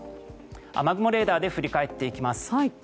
雨雲レーダーで振り返っていきます。